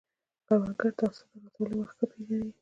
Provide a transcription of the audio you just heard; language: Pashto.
کروندګر د حاصل د راټولولو وخت ښه پېژني